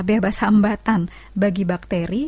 bebas hambatan bagi bakteri